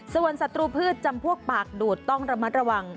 ส่วนศัตรูพืชจำพวกปากดูดต้องระมัดระวัง